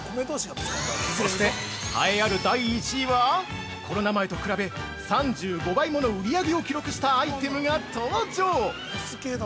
◆そして、栄えある第１位はコロナ前と比べ、３５倍もの売り上げを記録したアイテムが登場。